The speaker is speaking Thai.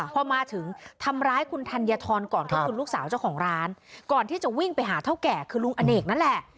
พอมาถึงทำร้ายคุณธัญฑรก่อนก็คือลูกสาวเจ้าของร้านก่อนที่จะวิ่งไปหาเท่าแก่คือลุงอเนกนั่นแหละ